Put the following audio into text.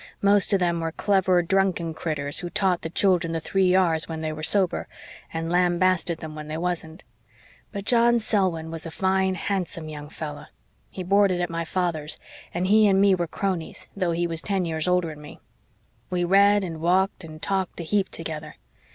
Most of them were clever, drunken critters who taught the children the three R's when they were sober, and lambasted them when they wasn't. But John Selwyn was a fine, handsome young fellow. He boarded at my father's, and he and me were cronies, though he was ten years older'n me. We read and walked and talked a heap together.